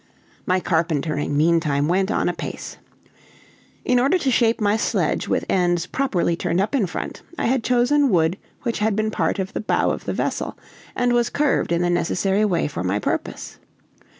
My carpentering meantime went on apace. In order to shape my sledge with ends properly turned up in front, I had chosen wood which had been part of the bow of the vessel, and was curved in the necessary way for my purpose.